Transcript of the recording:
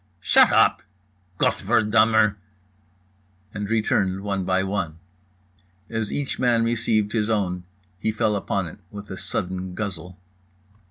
_"—"Shut up"—"Gott ver dummer"—and returned one by one. As each man received his own, he fell upon it with a sudden guzzle.